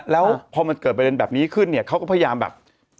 แล้วพอมันเกิดประเด็นแบบนี้ขึ้นเนี่ยเขาก็พยายามแบบ